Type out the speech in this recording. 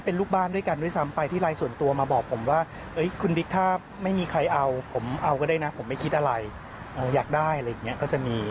เอาก็ได้นะผมไม่คิดอะไรอยากได้อะไรอย่างนี้ก็จะมี